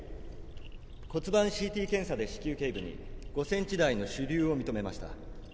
骨盤ＣＴ検査で子宮頸部に５センチ大の腫瘤を認めました。